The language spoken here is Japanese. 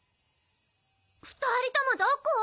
２人ともどこ？